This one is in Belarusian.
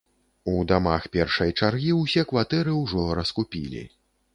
У дамах першай чаргі ўсё кватэры ўжо раскупілі.